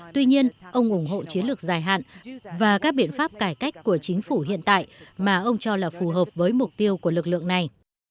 tuy nhiên ông ủng hộ chiến lược dài hạn và các biện pháp cải cách của chính phủ hiện tại mà ông cho là phù hợp với mục tiêu của lực lượng này